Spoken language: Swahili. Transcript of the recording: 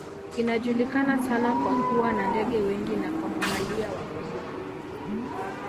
Inajulikana sana kwa kuwa na ndege wengi na kwa mamalia wakubwa.